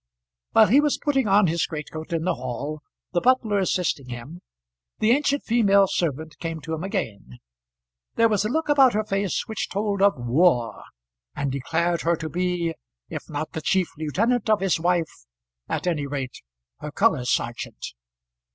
While he was putting on his greatcoat in the hall, the butler assisting him, the ancient female servant came to him again. There was a look about her face which told of war, and declared her to be, if not the chief lieutenant of his wife, at any rate her colour serjeant.